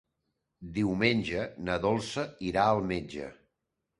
Diumenge na Dolça irà al metge.